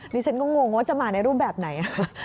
ดิฉันก็งงว่าจะมาในรูปแบบไหน